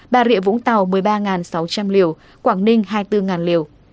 bà rịa vũng tàu một mươi ba sáu trăm linh liều quảng ninh hai mươi bốn liều